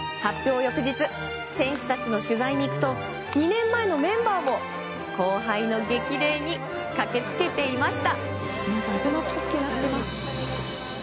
翌日選手たちの取材に行くと２年前のメンバーも、後輩の激励に駆けつけていました。